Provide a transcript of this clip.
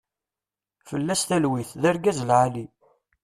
Fella-s talwit, d argaz lɛali.